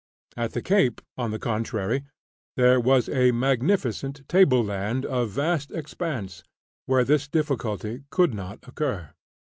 At the Cape, on the contrary, there was a magnificent table land of vast expanse, where this difficulty could not occur.